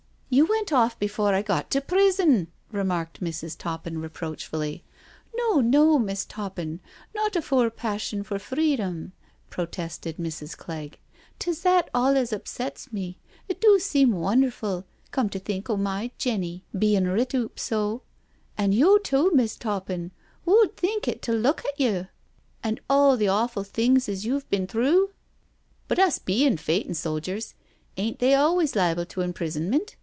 " You went off before I got to ' prison,' " remarked Mrs. Toppin reproachfully. " No, no. Miss' Toppin, not afoor ' passion for free dom,' " protested Mrs. Clegg, " 'tis that olez upsets me— it do seem wonderful, cum to think o* my Jenny bein' writ oop sO— an' yo' too, Miss' Toppin, w'o'd think it to luk at yo' I and all the awful things as you've bin thru I" " But us be feightin' so'gers. Ain't they always liable to imprisonment?"